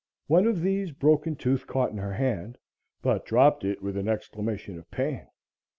One of these Broken Tooth caught in her hand, but dropped it with an exclamation of pain.